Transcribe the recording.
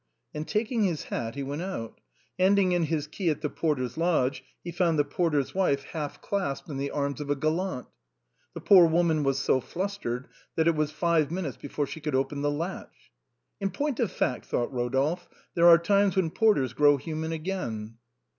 And taking his hat he went out. Handing in his key at the porter's lodge he found the porter's wife half clasped in the arms of a gallant. The poor woman was so flustered that it was five minutes before she could draw the latch. " In point of fact," thought Eodolphe, " there are times when porters grow human again."